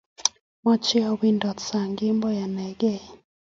machame awendi sang kemboi anegei